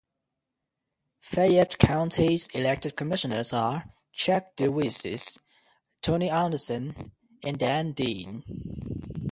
Fayette County's elected commissioners are: Jack DeWeese, Tony Anderson, and Dan Dean.